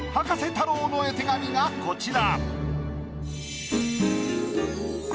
太郎の絵手紙がこちら。